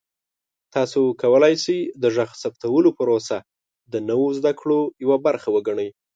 تاسو کولی شئ د غږ ثبتولو پروسه د نوو زده کړو یوه برخه وګڼئ.